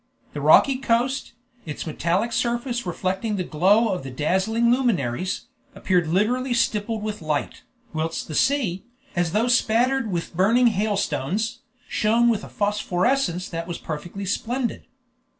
The rocky coast, its metallic surface reflecting the glow of the dazzling luminaries, appeared literally stippled with light, whilst the sea, as though spattered with burning hailstones, shone with a phosphorescence that was perfectly splendid.